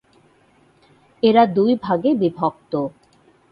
এরা দুই ভাগে বিভক্ত।